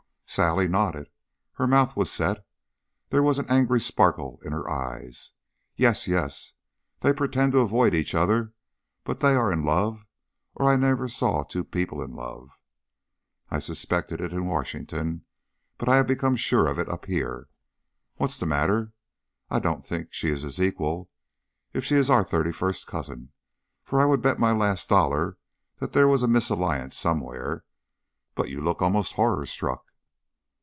Sally nodded. Her mouth was set. There was an angry sparkle in her eyes. "Yes, yes. They pretend to avoid each other, but they are in love or I never saw two people in love. I suspected it in Washington, but I have become sure of it up here. What is the matter? I don't think she is his equal, if she is our thirty first cousin, for I would bet my last dollar there was a misalliance somewhere but you look almost horror struck."